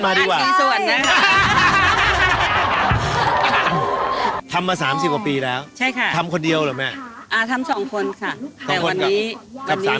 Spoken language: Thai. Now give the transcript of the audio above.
หรือจริงแล้วคือฟอมมาลีนมัน